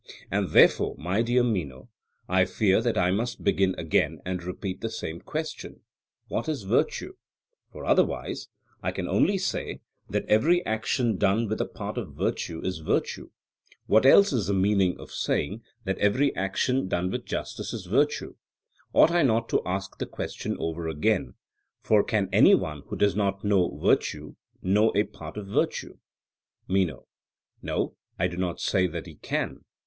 And, therefore, my dear Meno, I fear that I must begin again and repeat the same question: What is virtue? for otherwise, I can only say, that every action done with a part of virtue is virtue; what else is the meaning of saying that every action done with justice is virtue? Ought I not to ask the question over again; for can any one who does not know virtue know a part of virtue? MENO: No; I do not say that he can.